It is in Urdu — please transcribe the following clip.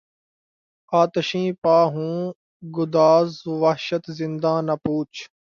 آتشیں پا ہوں گداز وحشت زنداں نہ پوچھ